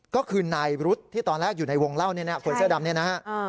ก็คือนายรุ๊ดที่ตอนแรกอยู่ในวงเหล้าคนเสื้อดำนี้นะฮะ